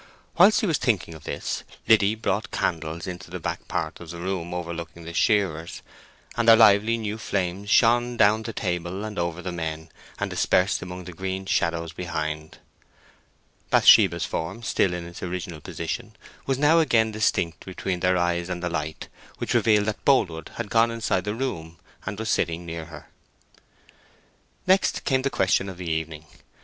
Whilst he was thinking of this, Liddy brought candles into the back part of the room overlooking the shearers, and their lively new flames shone down the table and over the men, and dispersed among the green shadows behind. Bathsheba's form, still in its original position, was now again distinct between their eyes and the light, which revealed that Boldwood had gone inside the room, and was sitting near her. Next came the question of the evening.